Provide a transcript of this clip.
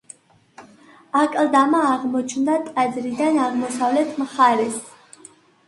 აკლდამა აღმოჩნდა ტაძრიდან აღმოსავლეთ მხარეს.